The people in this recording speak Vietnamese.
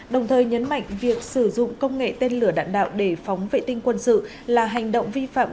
đồng thời nhấn mạnh việc sử dụng công nghệ tên lửa đạn đạo để phóng vệ tinh quân sự là hành động vi phạm